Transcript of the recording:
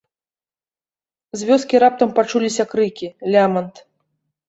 З вёскі раптам пачуліся крыкі, лямант.